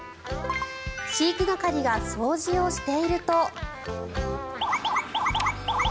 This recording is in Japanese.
飼育係が掃除をしていると。